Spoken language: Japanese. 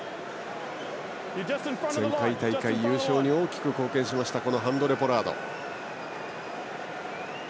前回大会優勝に大きく貢献したハンドレ・ポラード。